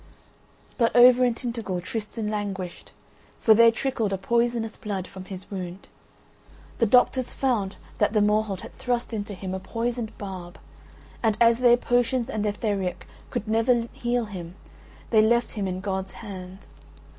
But over in Tintagel Tristan languished, for there trickled a poisonous blood from his wound. The doctors found that the Morholt had thrust into him a poisoned barb, and as their potions and their theriac could never heal him they left him in God's hands.